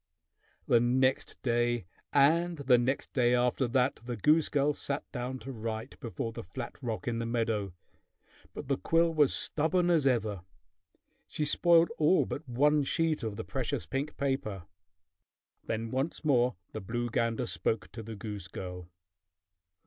The next day and the next day after that the goose girl sat down to write before the flat rock in the meadow; but the quill was stubborn as ever. She spoiled all but one sheet of the precious pink paper. Then once more the blue gander spoke to the goose girl.